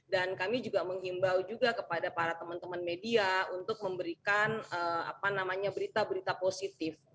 dan kami juga menghimbau juga kepada para teman teman media untuk memberikan berita berita positif